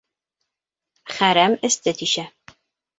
Хәрәм эсте тишә.